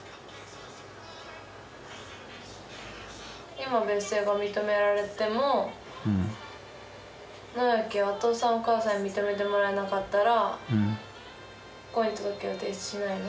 今別姓が認められても敬明はお父さんお母さんに認めてもらえなかったら婚姻届を提出しないの？